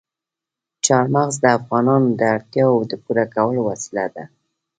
چار مغز د افغانانو د اړتیاوو د پوره کولو وسیله ده.